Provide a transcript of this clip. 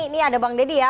ini ada bang nedi ya